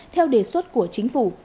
theo đề xuất của chính phủ